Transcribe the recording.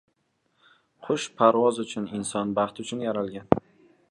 Qush parvoz uchun, inson baxt uchun yaralgan.